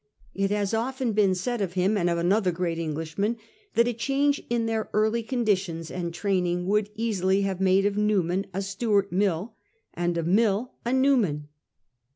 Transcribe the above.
It had often been said of him and of another great Englishman, that a change in their early conditions and training would easily have made of Newman a Stuart Mill, and of Mill a Newman.